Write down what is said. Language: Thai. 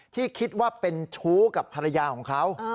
ที่คิดว่าเป็นชู้กับภรรยาของเขา